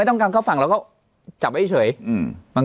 จุกจุกจุกจุกจุกจุก